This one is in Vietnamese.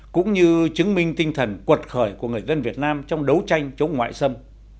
cũng như chứng minh tinh thần cuột khởi của người dân việt nam trong đấu tranh chống ngoại xâm